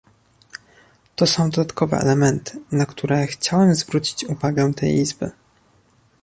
To są dodatkowe elementy, na które chciałem zwrócić uwagę tej Izby